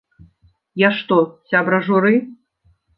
Я што, сябра журы?